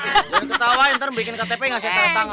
jangan ketawain ntar bikin ktp gak saya cari tangan